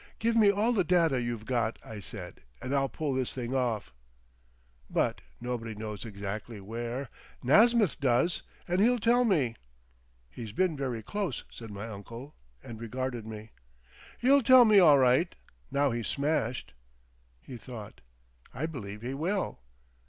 "Give me all the data you've got," I said, "and I'll pull this thing off." "But nobody knows exactly where—" "Nasmyth does, and he'll tell me." "He's been very close," said my uncle, and regarded me. "He'll tell me all right, now he's smashed." He thought. "I believe he will."